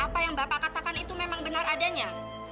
apa yang bapak katakan itu memang benar adanya